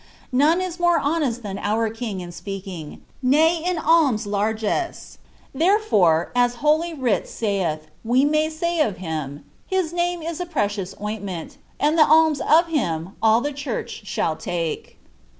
None is more honest than our king ia speaking; ne in alms largest. Therefore, as holy writ seiili, w« mT say of him, ■ his name is a precious ointment, and the alms of him u the church shall take.'